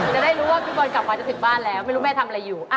จะได้รู้ว่าพี่บอลกลับมาจะถึงบ้านแล้วไม่รู้แม่ทำอะไรอยู่